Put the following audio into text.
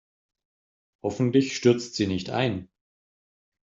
Hoffentlich stürzt sie nicht ein.